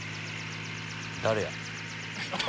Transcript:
誰や？